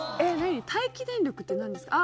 待機電力って何ですか？